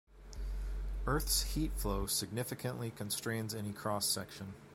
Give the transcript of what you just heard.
Earth's heat flow significantly constrains any cross section.